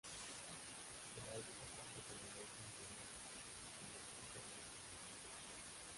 Se la usa tanto como ropa interior como por sobre otras ropas.